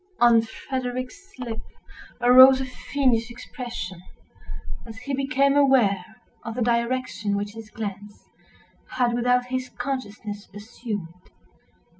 On Frederick's lip arose a fiendish expression, as he became aware of the direction which his glance had, without his consciousness, assumed.